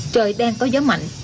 trời đang có gió mạnh